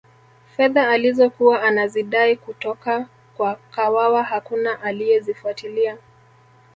fedha alizokuwa anazidai kutoka kwa kawawa hakuna aliyezifuatilia